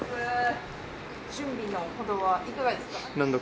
準備のほどはいかがですか。